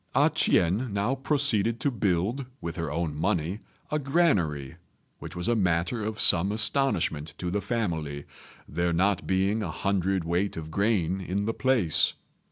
A ch'ien now proceeded to build, with her own money, a granary, which was a matter of some astonishment to the family, there not being a hundredweight of grain in the place.